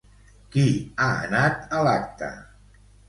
Qui ha anat a l'acte?